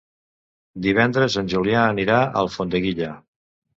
Divendres en Julià anirà a Alfondeguilla.